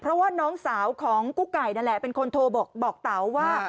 เพราะว่าน้องสาวของกุ๊กไก่นั่นแหละเป็นคนโทรบอกเต๋าว่า